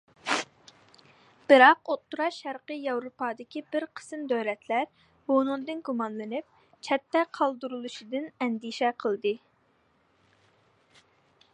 بىراق ئوتتۇرا شەرقىي ياۋروپادىكى بىر قىسىم دۆلەتلەر بۇنىڭدىن گۇمانلىنىپ، چەتتە قالدۇرۇلۇشىدىن ئەندىشە قىلدى.